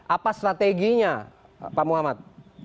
apa strateginya pak muhammad